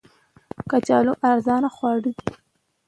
کچالو ارزانه خواړه دي